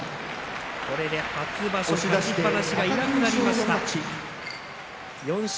これで初場所、勝ちっぱなしがいなくなりました。